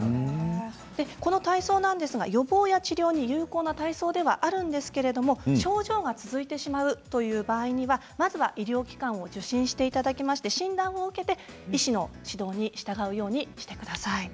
この体操なんですが予防や治療に有効な体操ではあるんですけれども症状が続いてしまうという場合にはまずは医療機関を受診していただきまして診断を受けて医師の指導に従うようにしてください。